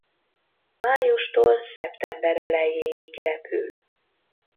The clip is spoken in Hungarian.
Májustól szeptember elejéig repül.